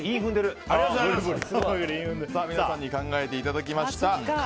これらを皆さんに考えていただきました。